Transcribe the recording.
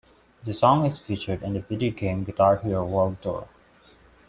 The song is featured in the video game "Guitar Hero World Tour".